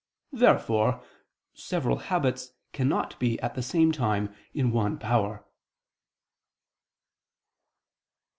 Therefore several habits cannot be at the same time in one power.